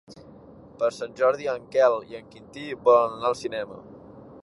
Per Sant Jordi en Quel i en Quintí volen anar al cinema.